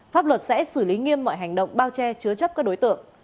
pháp luật sẽ xử lý nghiêm mọi hành động bao che chứa chấp các đối tượng